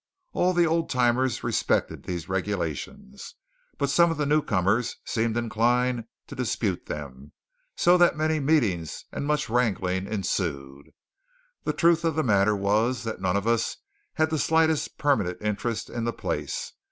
All the old timers respected these regulations, but some of the newcomers seemed inclined to dispute them; so that many meetings and much wrangling ensued. The truth of the matter was that none of us had the slightest permanent interest in the place.